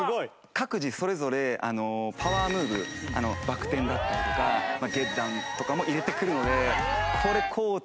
各自それぞれパワームーブバク転だったりとかゲットダウンとかも入れてくるのでこれ。